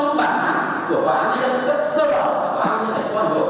một lần nữa tôi chỉ ra mặt cho hai gia đình luật sư là yêu cầu và thống nhu của luật sư bác mộ bà luật